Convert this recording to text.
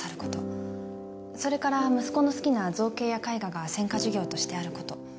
それから息子の好きな造形や絵画が専科授業としてあること。